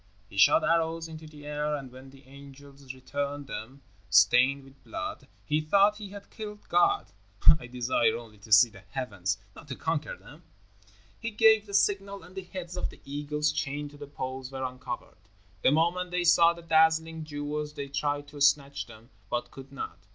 He shot arrows into the air, and when the angels returned them stained with blood, he thought he had killed God. I desire only to see the heavens, not to conquer them." He gave the signal, and the heads of the eagles chained to the poles were uncovered. The moment they saw the dazzling jewels they tried to snatch them, but could not.